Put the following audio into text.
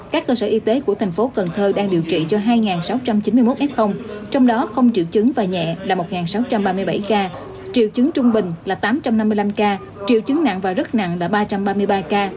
các cơ sở y tế của thành phố cần thơ đang điều trị cho hai sáu trăm chín mươi một f trong đó không triệu chứng và nhẹ là một sáu trăm ba mươi bảy ca triệu chứng trung bình là tám trăm năm mươi năm ca triệu chứng nặng và rất nặng là ba trăm ba mươi ba ca